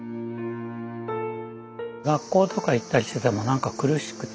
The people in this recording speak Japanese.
学校とか行ったりしててもなんか苦しくて